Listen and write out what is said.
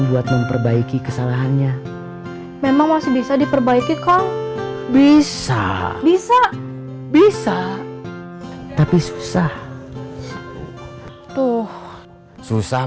buat memperbaiki kesalahannya memang masih bisa diperbaiki kok bisa bisa tapi susah tuh susah